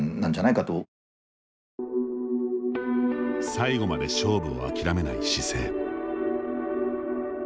最後まで勝負を諦めない姿勢。